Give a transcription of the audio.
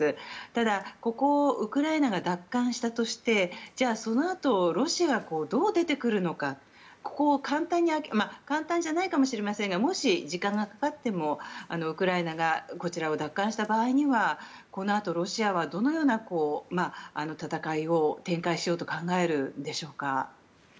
ただ、ここをウクライナが奪還したとしてそのあとロシアがどう出てくるかここを簡単じゃないかもしれませんがもし時間がかかってもウクライナがこちらを奪還した場合にはこのあと、ロシアはどのような戦いを展開しようと考えるんでしょうか。